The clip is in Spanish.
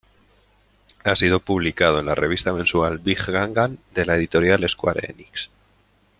Ha sido publicado en la revista mensual "Big Gangan" de la editorial Square Enix.